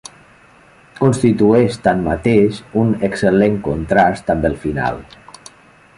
Constitueix tanmateix un excel·lent contrast amb el final.